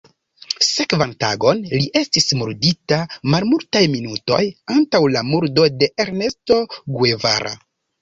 Sekvan tagon li estis murdita malmultaj minutoj antaŭ la murdo de Ernesto Guevara.